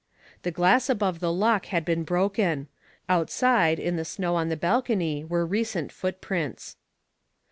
The glass above the lock had been broken. Outside, in the snow on the balcony, were recent footprints.